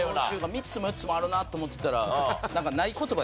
３つも４つもあるなと思ってたら。